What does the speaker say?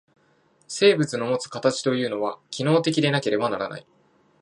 生物のもつ形というのは、機能的でなければならない。